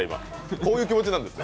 こういう気持ちなんですね。